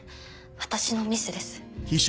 私のミスです。